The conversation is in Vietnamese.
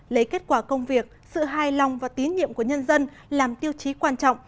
lấy kết quả công việc sự hài lòng và tín nhiệm của nhân dân làm tiêu chí quan trọng